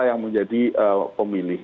yang menjadi pemilih